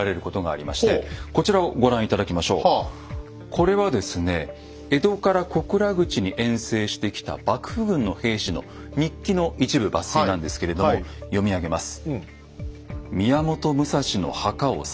これはですね江戸から小倉口に遠征してきた幕府軍の兵士の日記の一部抜粋なんですけれども読み上げます。